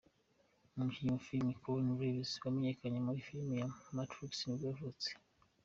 umukinnyi wa filime Keanu Reeves wamenyekanye muri filime nka Matrix nibwo yavutse.